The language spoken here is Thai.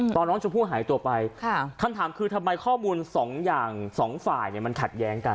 ตอนน้องชมพู่หายตัวไปคำถามคือทำไมข้อมูลสองอย่างสองฝ่ายมันขัดแย้งกัน